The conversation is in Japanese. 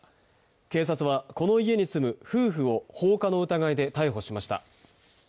警察は、この家に住む夫婦を放火の疑いで逮捕しました。